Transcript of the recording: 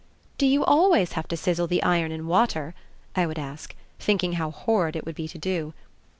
"Do you always have to sizzle the iron in water?" I would ask, thinking how horrid it would be to do.